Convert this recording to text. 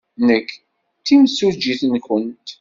Nekk d timsujjit-nwent.